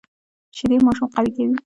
شیدې ماشوم قوي کوي